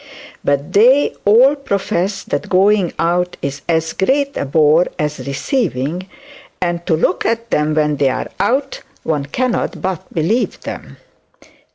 But they all profess that going out is as great a bore as receiving; and to look at them when they are out, one cannot but believe them.